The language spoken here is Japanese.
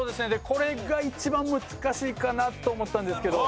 これが一番難しいかなと思ったんですけど。